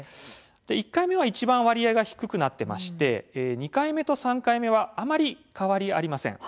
１回目はいちばん割合が低くなっていまして２回目と３回目はあまり変わりありません。